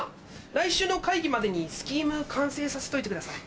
来週の会議までにスキーム完成させといてください。